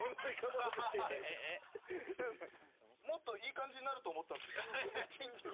もっといい感じになると思ったんですけど金魚越しに。